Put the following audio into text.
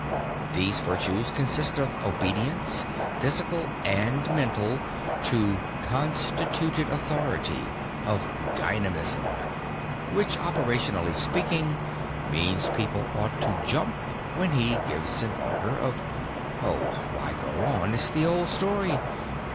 "These virtues consist of obedience, physical and mental, to 'constituted authority' of 'dynamism,' which operationally speaking means people ought to jump when he gives an order of .... Oh, why go on? It's the old story.